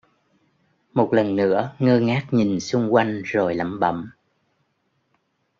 Một lần nữa ngơ ngác nhìn xung quanh rồi lẩm bẩm